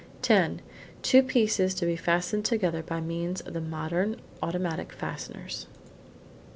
Ten: two pieces to be fastened together by means of the modern automatic fasteners.